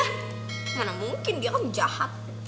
karena mungkin dia kan jahat